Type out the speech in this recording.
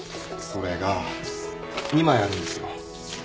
それが２枚あるんですよ。